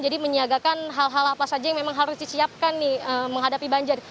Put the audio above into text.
jadi menyiagakan hal hal apa saja yang memang harus disiapkan nih menghadapi banjir